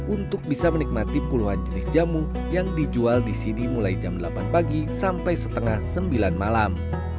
untuk bisa menikmati puluhan jenis jamu yang dijual di sini mulai jam delapan pagi sampai setengah sembilan malam